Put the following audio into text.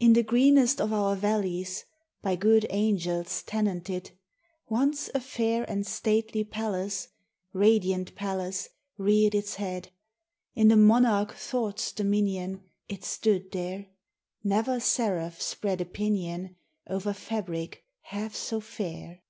In the greenest of our valleys By good angels tenanted, Once a fair and stately palace — Radiant palace — reared its head. In the monarch Thought's dominion, It stood there ; Never seraph spread a pinion Over fabric half so fair.